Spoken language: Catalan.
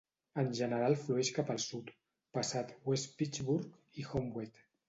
En general flueix cap al sud, passat West Pittsburg i Homewood.